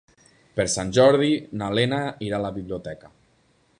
Per Sant Jordi na Lena irà a la biblioteca.